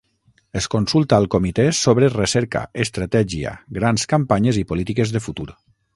Es consulta al comitè sobre recerca, estratègia, grans campanyes i polítiques de futur.